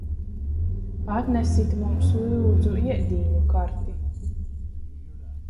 Atnesit mums, lyudzu, iedīņu karti!